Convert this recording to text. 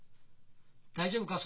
大丈夫か？